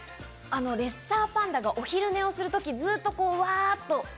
レッサーパンダがお昼寝をする時、ずっとうわ！